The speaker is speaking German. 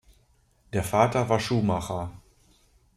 Der Vater war Schuhmacher.